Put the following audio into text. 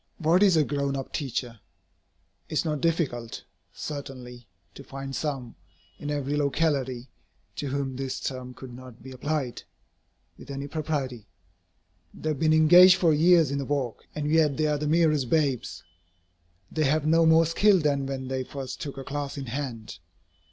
What is a "grown up" teacher? It is not difficult, certainly, to find some, in every locality, to whom this term could not be applied, with any propriety. They have been engaged for years in the work, and yet they are the merest babes. They have no more skill than when they first took a class in hand.